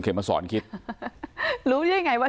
เขมศรกิรู้ได้ยังไงว่า